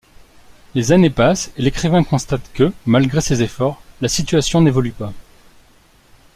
Les années passent et l'écrivain constate que, malgré ses efforts, la situation n'évolue pas.